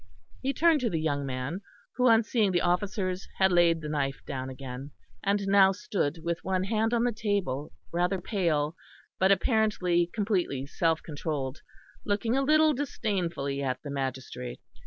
He turned to the young man, who, on seeing the officers had laid the knife down again, and now stood, with one hand on the table, rather pale, but apparently completely self controlled, looking a little disdainfully at the magistrate.